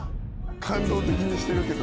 感動的にしてるけど。